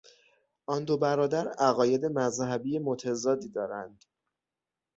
آن دو برادر عقاید مذهبی متضادی دارند.